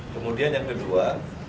kemudian yang kedua